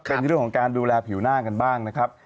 เป็นเรื่องของการดูแลผิวหน้ากันบ้างนะครับ